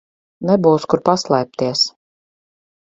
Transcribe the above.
Nebūs kur paslēpties.